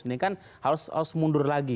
ini kan harus mundur lagi